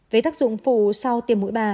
về tác dụng phù sau tiêm mũi ba